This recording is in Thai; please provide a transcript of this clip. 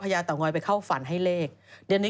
ปลาหมึกแท้เต่าทองอร่อยทั้งชนิดเส้นบดเต็มตัว